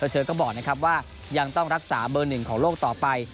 เธอก็บอกนะครับว่ายังต้องรักษาเบอร์หนึ่งของโลกต่อไป